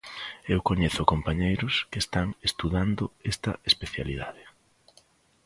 Eu coñezo compañeiros que están estudando esta especialidade.